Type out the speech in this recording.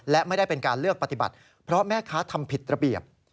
และไม่ได้เป็นการเลือกปฏิบัติเพราะแม่ค้าทำผิดระเบียบ